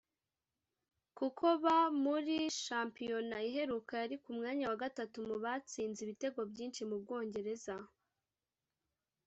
kuko Ba muri shampiyona iheruka yari ku mwanya wa gatatu mu batsinze ibitego byinshi mu Bwongereza